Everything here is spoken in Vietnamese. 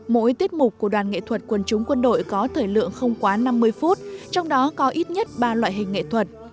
mỗi tiết mục của đoàn nghệ thuật quần chúng quân đội có thời lượng không quá năm mươi phút trong đó có ít nhất ba loại hình nghệ thuật